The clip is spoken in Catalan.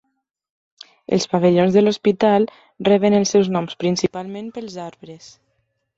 Els pavellons de l'hospital reben els seus noms principalment pels arbres.